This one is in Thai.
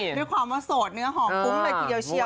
เพราะความว่าโสดเนื้อหองกุ้งในกิโยชน์เฉี่ยว